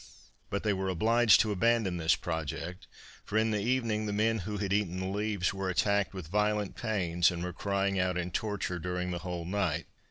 But they were obliged to abandon this project, for in the evening the men who had eaten the leaves, were attacked with violent pains and were crying out in torture during the whole night.